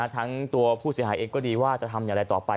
ทั้งตัวผู้เสียหายเองก็ดีว่าจะทำอย่างไรต่อไป